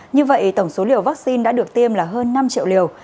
như vậy tổng số liều vaccine đã được tiêm là hơn năm triệu liều